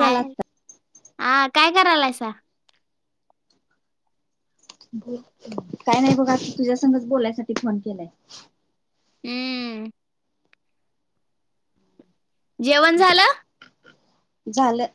झाला आता आ काय करायलायसा? काय नाही बघ आता तुझ्यासंगच बोलायसाठी फोन केलाय. हम्म. जेवण झालं? झालं.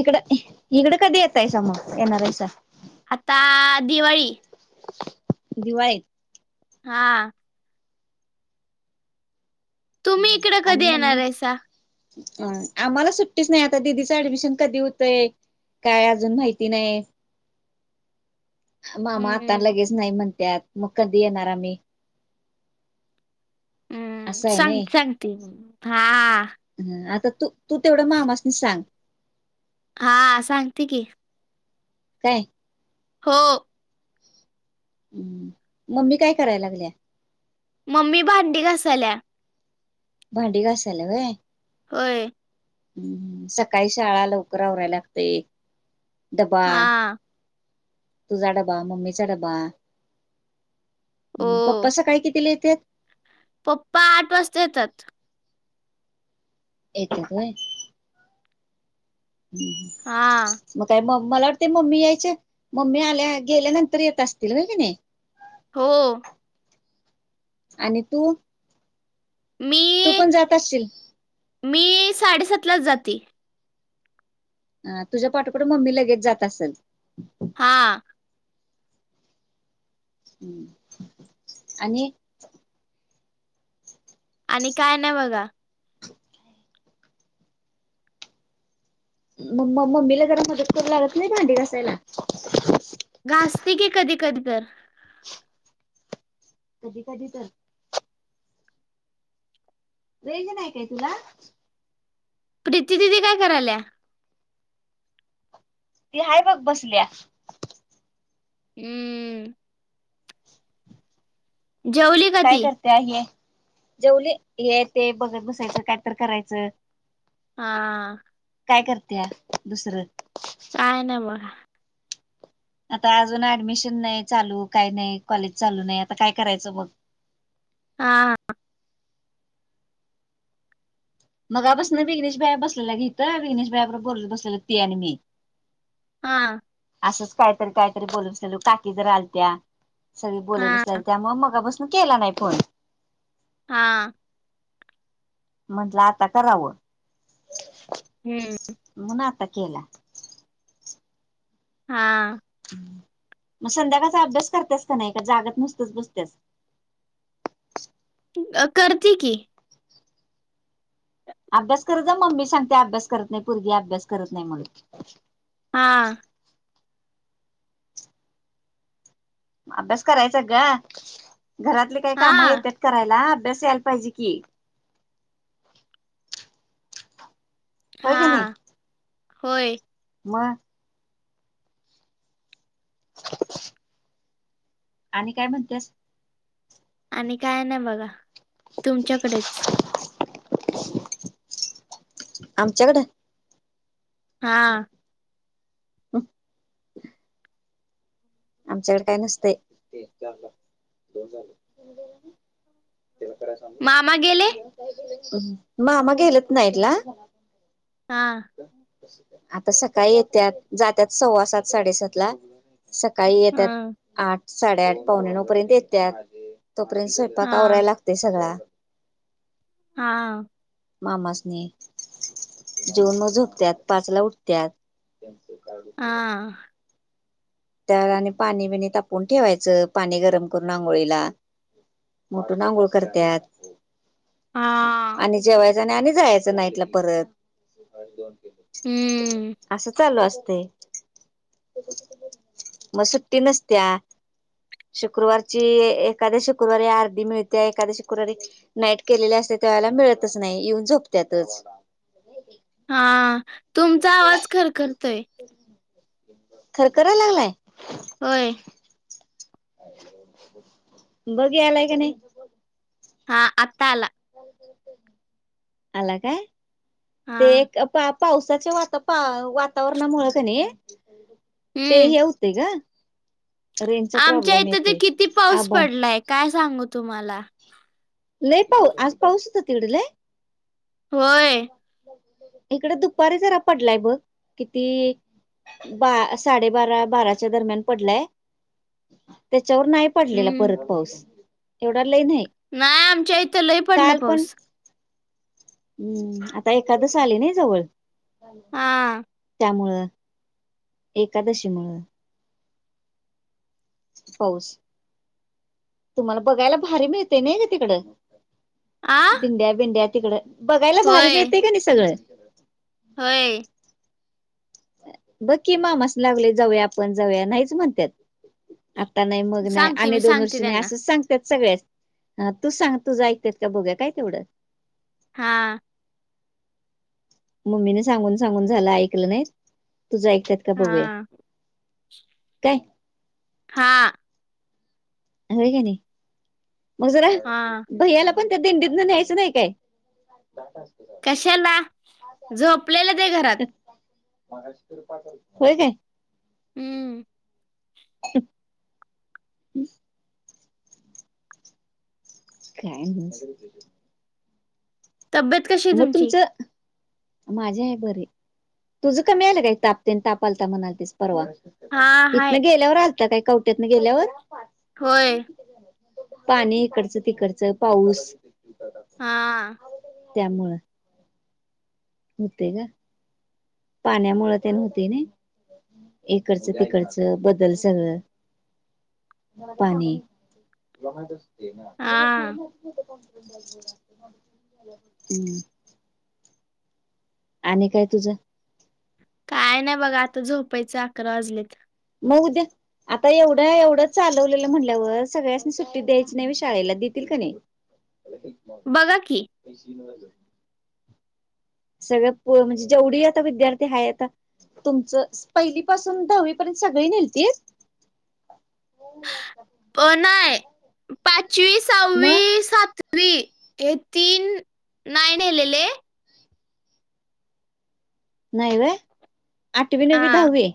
इकड इकड कधी येतायसा म येणारायसा. आता, दिवाळी. दिवाळीत. हा तुम्ही इकड आणि कधी येणार मम्मी हायसा? अ आम्हाला सुट्टीच नाय आता, दिदीचं ऍडमिशन कधी हुतय? काय अजून माहिती नाय. मामा आता हम्म. लगेच नाही म्हणत्यात, मग कधी येणार आम्ही? हम्म असं आहे सांग नाही सांगते मं हा आता तू, तू तेवढ मामासनी सांग. हा, सांगते की काय? हो. मम्मी काय कराय लागल्या? मम्मी भांडी घासाल्या. भांडी घासाल्या व्हय. व्हय. हम्म सकाळी शाळा लवकर आवराय लागतंय. डबा, हा. तुझा डबा, मम्मीचा डबा पप्पा ओ. सकाळी कितीला येत्यात? पप्पा आठ वाजता येतात. येत्यात व्हय. हूं हम्म हा मग काय म मला वाटतय मम्मी यायचे मम्मी आल्या गेल्या नंतर येत असशील व्हय की नाय? हो. आणि तू तू मी पण जात असशील मी साडेसातलाच जाती. अ तुझ्या पाठोपाठ मम्मी लगेच जात असल. हा हम्म आणि आणि काय नाय बघा. म म मम्मीला जरा मदत करू लागत नाही भांडी घासायला. घासते की कधी कधी तर कधी कधी तर रेंज नाय काय तुला प्रीती दिदी काय करायल्या ती हाय बघ बसल्या. [unintelligible] जेवली का काय ती करते हे जेवली. हे ते बघत बसायचं. काय तर करायचं. हां काय करत्या दुसरं काय नाय बघा आता अजून ऍडमिशन नाही चालू काय नाही कॉलेज चालू नाही आता काय करायचं बघ हा हा मगा पासन विघ्नेश भायां बसलेला की इथं विघ्नेश भाया बरोबर बोलतं बसलेलं ते आणि मी हां असंच काहीतरी, काहीतरी बोलून सलू काकी जर आलत्या, सगळी बोलून हा स त्यामुळ मगापसन केला नाही फोन. हा! म्हंटलं आता कराव. हूं! म्हनून आता केला. हा! म संध्याकाळचा अभ्यास करत्यांस का नाही का जागत नुसत्याच बसत्यांत. अ करते की. अभ्यास करत जा मम्मी सांगते, अभ्यास करत नाही पोरगी अभ्यास करत नाही, म्हणून. हां! अभ्यास करायचा ग घरातले काही हा कामं येत्यात करायला, अभ्यास यायला पाहिजे की. होय हा होय! म! आणि काय म्हणतेस. आणि काय नाही बघा तुमच्याकडेच. [inaudible] आमच्याकड? हा [inaudible] आमच्याकड काय नसतय. मामा गेले मामा गेलेत नाईटला. हा! आता सकाळी येत्यात, जात्यांत सव्वा सात साडेसातला काही हा येत्यांत आठ, साडेआठ, पावणेनऊपर्यंत येत्यांत, तोपर्यंत स्वयंपाक हा आवरायला ते सगळां हा! मामासनि जेवूण म झोपत्यांत पाचला उठत्यांत. त्यांचं टार्गेट. आ! त्यां [unintelligible] पाणी बिणी तापून ठेवायचं पाणी गरम करून आंघोळीला. मउठून आंगोळ करत्यांत. हा आणि जेवायच, न आणि जायचं नाईटला परत. हम्म असं चालू असतय. म सुट्टी नसत्या. शुक्रूवारची एखाद्या शुक्रूवारी अर्धी मिळते एखाद्या शुक्रूवारी नाईट केलेले असते त्यां वेळेला मिळतच नाही, येऊन झोपत्यातच. हा तुमचा आवाज खरखरतोय. [unintelligible] खरखरा लागलाय. होय. बघ आलाय का नाही. हा आत आला काय हा ते एक पाप पावसाच्या वात वातावरणामुळे कनि ते हम्म हे हूंत ग. रेंजचा आमच्या प्रॉब्लेम इथं त येतोय किती पाऊस आबा पडलाय काय सांगू तुम्हाला? लयी पाऊ आज पाऊस होत तिकडे लयी? होय! इकडे दुपारी जरा पडलाय ब किती बा साडेबारा बाराच्या दरम्यान पडलाय त्याच्यावर नाही पडलेला हम्म परत पाऊस एवढा लई न्हाही. नाही आमच्या इथं लई पडला पाऊस. हम्म आता एखादस आली नाही जवळ हा त्यामुळं. एकादशी मूळ. पाऊस तुम्हाला बघायला भारी मिळते नाही का तिकडं आ दिंड्या बिंड्या तिकड बघायला भारी होय मिळते का नाही सगळे. होय. बघकी मामास लागले जाऊया आपण जाऊया नाहीच म्हणतात. आता नाही मग नाही सांगते आणि मी दोन सांगते वर्षी नाही त्यांना असंच सांगतात सगळ्याच हा तू सांग तुझं ऐकत का बघूया काय तेवढं. हा मम्मीने सांगून सांगून झालं ऐकलं नाही तुझं ऐकतात का बघूया. हा काय? हां. हो का नाही मधुरा हा भैयाला पण त्या दिंडीतन न्यायचं नाही का. चार तारखेला. कशाला झोपलेलं ते घरात. हो काय. हम्म [inaudible] काय नाही. तब्येत कशी आहे म तुमची तुमचं माझी आहे बरी, तुझ कमी आलं काय तापतेन ताप आलता म्हणालातीस परवा? हा हाय इथन गेल्यावर आलता काय कवट्यातन गेल्यावर? होय. पाणी इकडचं तिकडचं पाऊस. हा. त्यामुळं. होते का पाण्यामुळ त्या नव्हतं नी. इकडचं तिकडचं बदल सदल पाणी हा [inaudible] आणि काय तुझं? काय नाही बघा आता झोपायच अकरा वाजलेत. म उद्या आता एवढं एवढं चालवलेलं म्हटल्यावर सगळ्यासनी सुट्टी द्यायची नाहीव शाळेला देतील कनी. [unintelligible] बघा की पैश मिळालं. सगळं म्हणजे जेवढी आता विद्यार्थी हायता तुमचं पहिली पासून दहावी पर्यंत सगळी नेहलती? अ नाय पाचवी, मग सावी, सात वी हे तीन नाय नेहलेले. नाही व्हय आठवी, नवी, हा दहावी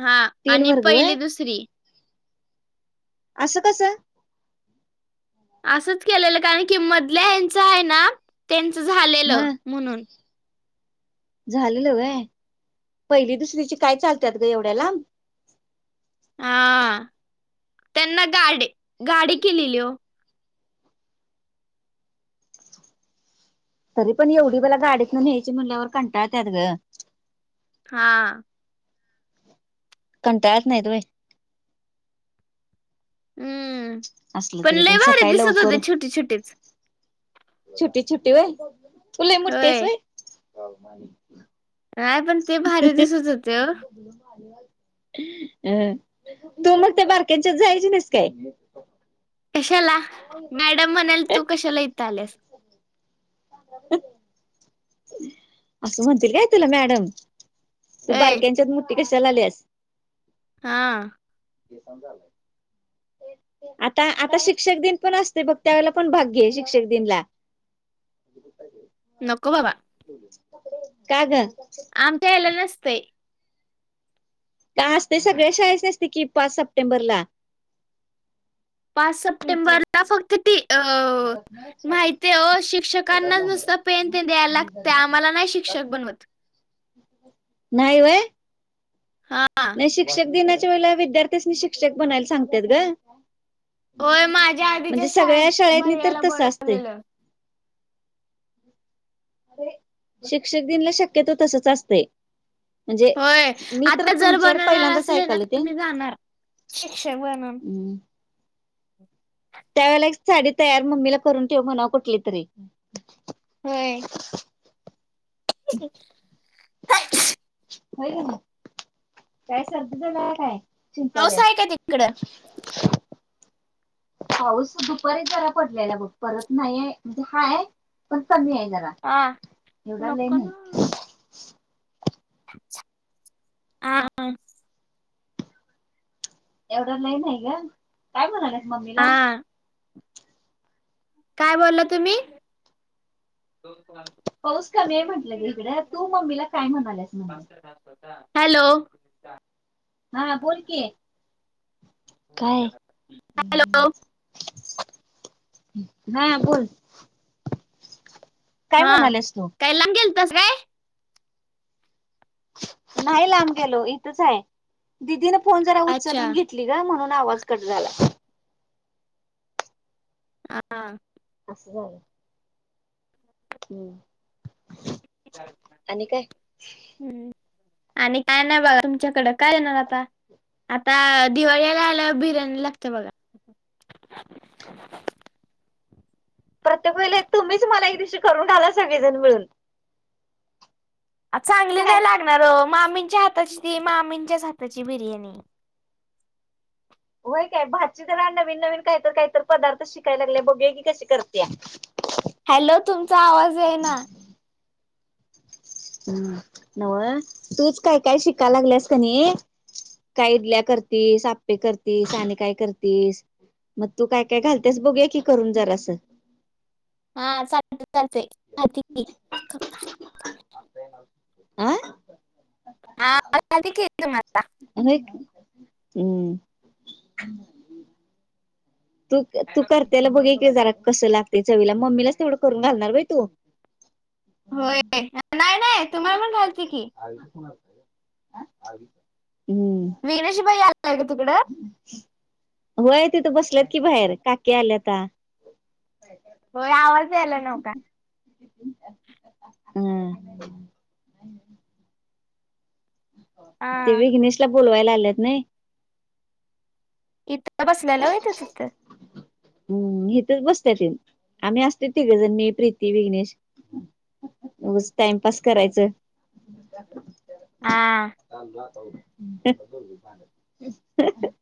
हा तीन आणि वर्ग पहिली व्हय दुसरी आसं कसं? आसंच केलेलं कारण की मधल्या हेचं आहे ना त्यांचं झालेलं हा म्हणून झालेलं व्हय पहिली दुसरीची काय चालत्यात ग एवढ्या लांब? हा त्यांना गाडी गाडी केलेली ओ. तरी पण एवढीबला गाडीतन न्यायची म्हटल्यावर कंटाळत्यात ग. हा.... कंटाळत नाहीत व्हय... हुं असलं पण तरी लय भारी सकाळी दिसत लवकर होते छोटी छोटीच.... छोटी छोटी व्हय तू लई मोठी हाईस होय व्हय.... नाही पण ते भारी दिसत होते ओ [unintelligible] अं तू मग त्या बारक्यांच्यात जायची नाहीस काय? कशाला मॅडम म्हणल्या तू कशाला इथ आल्यास? असं म्हणतील काय तुला मॅडम? तू होय बारक्यांच्यात मोठी कशाला आल्यास? हा.... [unintelligible] आता आता शिक्षक दिन पण असतोय बघ त्यावेळेला पण भाग घे शिक्षक दिनला.... [unintelligible] नको बाबा.... का ग? आमच्या हेला नसतय... का आसतय सगळ्या शाळेसनी असतय की पाच सप्टेंबरला.... पाच सप्टेंबरला फक्त ती अ.... माहितेये हो शिक्षकांना नुसत पेन तेन द्याय लागतय आम्हाला नाही शिक्षक बनवत.... नाही व्हय? हा.... नाही शिक्षक दिनाच्या वेळेला विद्यार्थ्यांसनी शिक्षक बनायला सांगत्यात गं... होय माझ्या आधीच्या म्हणजे सगळ्या शाळेत शाळेतनी तर भैयाला तसं आसतय... बनवलेलं. शिक्षक दिनला शक्यतो तसच असतय. होय आता जर तुमच्याकडे बनवणार पहिल्यांदाच असले ना ऐकाल ते तर मी जाणार.... शिक्षक बनून... हम्म त्यावेळेला एक साडी तयार मम्मीला करून ठेव म्हणावं कुठली तरी.... होय.... [unintelligible] व्हय कनी काय सर्दी झाल्या काय पाऊस आहे का तिकडं? शिंकाल्यास? [inaudible] पाऊस दुपारी जरा पडलेला बघ परत नाहीये म्हणजे हाय... पण कमी आहे जरा.... हा एवढा लय नको नाही ना.... हा.... एवढ लई नाही ग काय म्हणाल्यास मम्मीला? हा काय बोला तुम्ही? पाऊस कमी हे म्हटलं ग हिकड तू मम्मीला काय म्हणाल्यास ते? [inaudible] हॅलो.... हा बोल की काय हॅलो.... हा बोलत्यात..... हा म्हणालेस तू काय लांब गेलतास काय? नाही लांब गेलो इथंच आहे दिदी न फोन जरा अच्छा उचलून घे.... घेतली गं म्हणून आवाज कट झाला. हा... आस झालं हू.... आणि काय नाही बघा तुमच्याकड काय येणार आता? आता दिवाळीला आल्यावर बिर्याणी लागते बघा..... [inaudible] प्रत्येक वेळेला तुम्हीच मला एक दिवशी करून घाला सगळेजण मिळून. चांगली काय नाही लागणार ओ मामीच्या हाताची ती मामीच्याच हाताची बिर्याणी. होय काय भाची जरा नवीन नवीन कायतर कायतर पदार्थ शिकाय लागल्या बघूया की कशी करत्या. हॅलो तुमचा आवाज येईना होय नव तूच काय काय शिकाय लागल्यास कणी काय इडल्या करतीस आप्पे करतीस आणि काय करतीस म तू काय काय घालत्यास बघूया की करून जरासं. हा चालत चालतंय घालते की आ हा घालते की तुम्हाला [unintelligible] हम्म तू तू करतेल बघूया की जरा कसं लागतंय चवीला मम्मीलाच तेवढं करून घालणार व्हय तू? होय. नाही नाही तुम्हाला पण घालते की हम्म विघ्नेश भैय्या आलाय काय तिकडं? होय तिथं बसल्यात की बाहेर काकी आल्याता व्हय आवाज यालाय नव्ह का हम्म ते हा विघ्नेशला बोलवायला आल्यात नाही इथं बसल्याल होेय तो तिथं? हम्म हितचं बसल्या ति आम्ही आसतोय तिघजण मी प्रीती विघ्नेश टाइमपास करायचं. हा काल रात